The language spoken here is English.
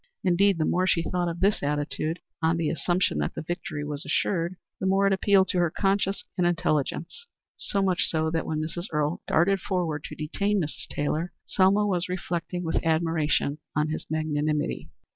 Indeed, the more she thought of this attitude, on the assumption that the victory was assured, the more it appealed to her conscience and intelligence; so much so that when Mrs. Earle darted forward to detain Mrs. Taylor, Selma was reflecting with admiration on his magnanimity.